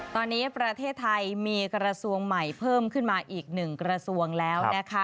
ตอนนี้ประเทศไทยมีกระทรวงใหม่เพิ่มขึ้นมาอีกหนึ่งกระทรวงแล้วนะคะ